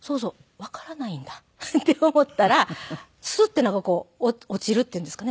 わからないんだって思ったらスッてなんかこう落ちるっていうんですかね。